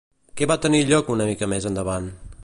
Què va tenir lloc una mica més endavant?